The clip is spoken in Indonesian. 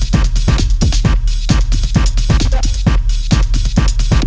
kamu harus lagi kembang tuju tuju